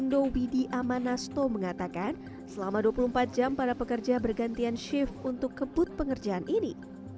indo widi amanasto mengatakan selama dua puluh empat jam para pekerja bergantian shift untuk kebut pengerjaan ini